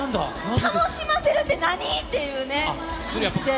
楽しませるって何？っていう感じで。